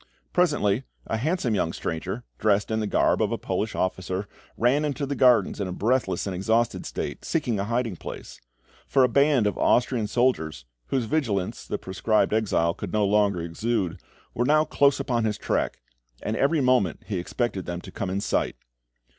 Presently, a handsome young stranger, dressed in the garb of a Polish officer, ran into the gardens in a breathless and exhausted state, seeking a hiding place; for a band of Austrian soldiers, whose vigilance the proscribed exile could no longer elude, were now close upon his track, and every moment he expected them to come in sight.